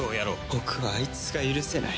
僕はあいつが許せない。